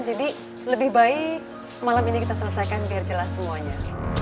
jadi lebih baik malam ini kita selesaikan biar jelas semuanya